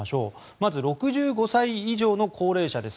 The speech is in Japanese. まず、６５歳以上の高齢者です。